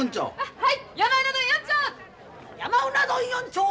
はい。